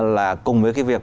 là cùng với cái việc